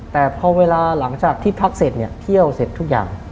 แต่พอเวลาหลังจากที่พักเสร็จเนี่ยเที่ยวเสร็จทุกอย่าง